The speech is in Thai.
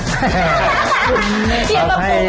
เฮียตามปูมันตัวใหญ่